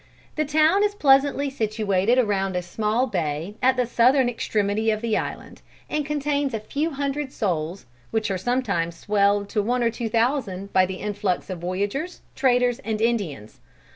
The town is pleasantly situated around a small bay at the southern extremity of the island, and contains a few hundred souls, which are sometimes swelled to one or two thousand by the influx of voyageurs, traders and Indians.